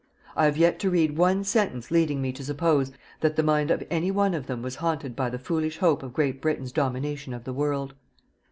I have yet to read one sentence leading me to suppose that the mind of any one of them was haunted by the foolish hope of Great Britain's domination of the world.